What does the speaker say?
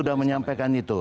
sudah menyampaikan itu